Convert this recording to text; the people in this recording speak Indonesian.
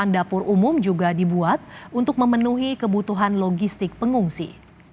dapur umum juga dibuat untuk memenuhi kebutuhan logistik pengungsi